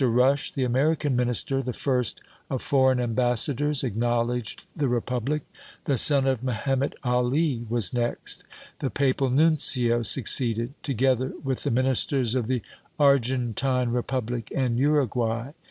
Rush, the American Minister, the first of foreign ambassadors acknowledged the Republic. The son of Mehemet Ali was next. The Papal Nuncio succeeded, together with the Ministers of the Argentine Republic and Uruguay.